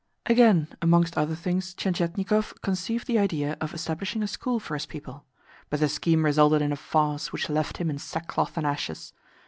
Again, amongst other things, Tientietnikov conceived the idea of establishing a school for his people; but the scheme resulted in a farce which left him in sackcloth and ashes.